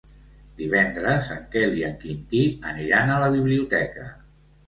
Divendres en Quel i en Quintí aniran a la biblioteca.